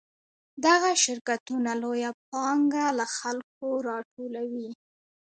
دغه شرکتونه لویه پانګه له خلکو راټولوي